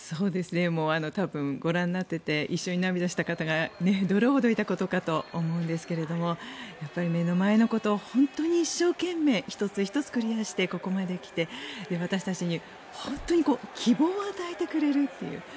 多分ご覧になっていて一緒に涙した方がどれほどいたことかと思うんですがやっぱり目の前のことを本当に一生懸命１つ１つクリアしてここまで来て、私たちに本当に希望を与えてくれるという。